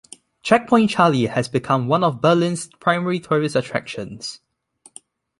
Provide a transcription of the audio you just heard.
Checkpoint Charlie has become one of Berlin's primary tourist attractions.